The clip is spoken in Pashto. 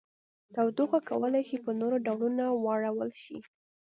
تودوخه کولی شي په نورو ډولونو واړول شي.